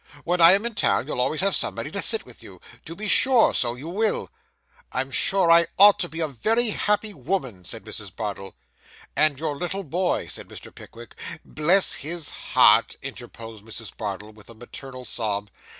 When I am in town, you'll always have somebody to sit with you. To be sure, so you will.' 'I am sure I ought to be a very happy woman,' said Mrs. Bardell. 'And your little boy ' said Mr. Pickwick. 'Bless his heart!' interposed Mrs. Bardell, with a maternal sob.